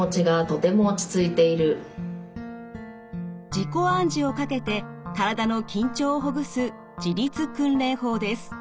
自己暗示をかけて体の緊張をほぐす自律訓練法です。